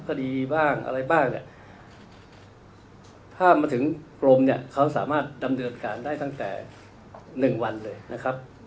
ก็ดีบ้างอะไรบ้างเนี่ยถ้ามาถึงกรมเนี่ยเขาสามารถดำเนินการได้ตั้งแต่๑วันเลยนะครับ